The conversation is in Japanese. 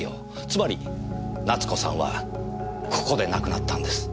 つまり奈津子さんはここで亡くなったんです。